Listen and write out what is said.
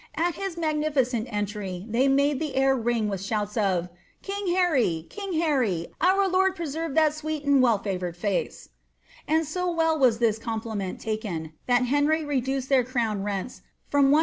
At his magnificent entry they made the air ring wit shouts of ^ King Hany, king Harry ; our Lord preserve that sweet an well iavoured ficeP And so well was this compliment taken, thi Henry reduced their crownnnents from 161 Z.